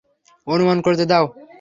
অনুমান করতে দাও।